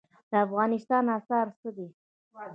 د افغانستان اسعار څه دي؟